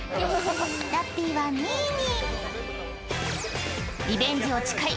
ラッピーは２位に。